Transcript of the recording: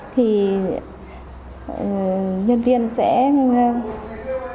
thì nhân viên sẽ nhắn tin đe dọa khách hàng